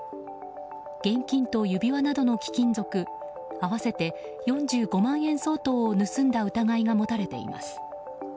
現金と指輪などの貴金属合わせて４５万円相当を盗んだ疑いが持たれています。